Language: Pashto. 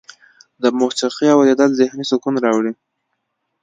د موسیقۍ اوریدل ذهني سکون راوړي.